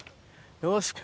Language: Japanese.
よし。